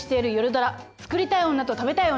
ドラ「作りたい女と食べたい女」。